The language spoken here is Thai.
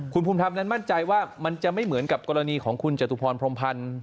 คุณภูมิธรรมนั้นมั่นใจว่ามันจะไม่เหมือนกับกรณีของคุณจตุพรพรมพันธ์